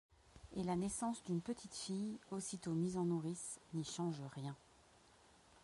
Et la naissance d’une petite fille, aussitôt mise en nourrice, n’y change rien.